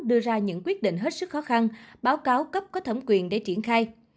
đưa ra những quyết định hết sức khó khăn báo cáo cấp có thẩm quyền để triển khai